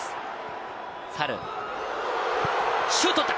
シュート打った！